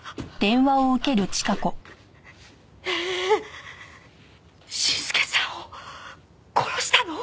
えっ伸介さんを殺したの！？